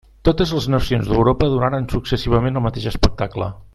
Totes les nacions d'Europa donaren successivament el mateix espectacle.